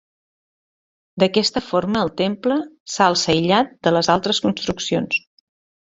D'aquesta forma el temple s'alça aïllat d'altres construccions.